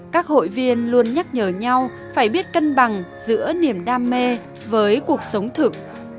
các hội viên luôn nhắc nhở nhau phải biết cân bằng giữa niềm đam mê với cuộc sống thực